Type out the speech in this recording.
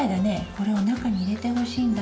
これを中に入れてほしいんだ。